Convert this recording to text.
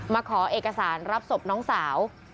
มาขอเอกสารรับศพน้องสาว